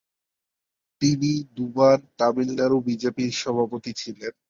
তিনি দুবার তামিলনাড়ু বিজেপির সভাপতি ছিলেন।